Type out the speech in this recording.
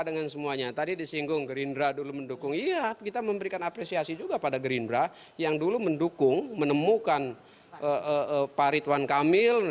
nasdem juga tidak masalah jika akhirnya pdip batal mengusung rituan kamil